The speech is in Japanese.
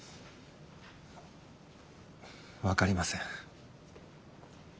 分かりません。